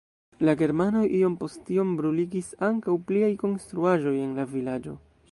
La germanoj iom post iom bruligis ankaŭ pliaj konstruaĵoj en la vilaĝo.